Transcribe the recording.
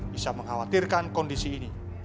bisa mengkhawatirkan kondisi ini